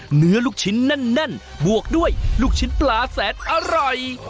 ลูกชิ้นแน่นบวกด้วยลูกชิ้นปลาแสนอร่อย